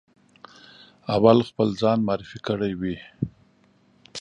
اول خپل ځان معرفي کړی وي.